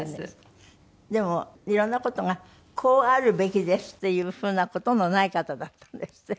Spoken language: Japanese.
でもいろんな事がこうあるべきですっていう風な事のない方だったんですって？